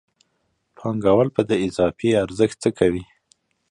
پانګوال په دې اضافي ارزښت څه کوي